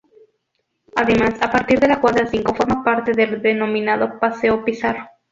Además, a partir de la cuadra cinco forma parte del denominado "Paseo Pizarro".